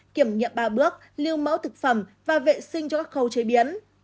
kiểm nghiệm ba bước lưu mẫu thực phẩm và vệ sinh cho các khâu chế biến